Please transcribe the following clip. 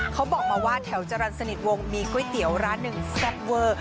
เขาบอกมาว่าแถวจรรย์สนิทวงมีก๋วยเตี๋ยวร้านหนึ่งแซ่บเวอร์